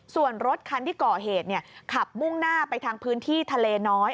ส่วนรถคันที่ก่อเหตุขับมุ่งหน้าไปทางพื้นที่ทะเลน้อย